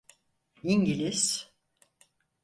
İngiliz…